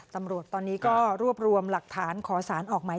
ตำรวจตอนนี้ก็รวบรวมหลักฐานขอสารออกหมาย